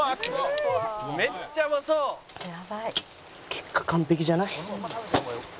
結果完璧じゃない？